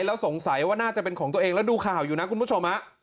แล้วสงสัยว่าน่าจะเป็นของตัวเองแล้วดูข่าวอยู่นะคุณผู้ชม